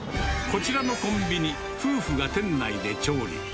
こちらのコンビニ、夫婦が店内で調理。